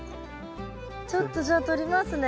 ちょっとじゃあ取りますね。